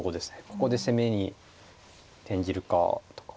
ここで攻めに転じるかとか。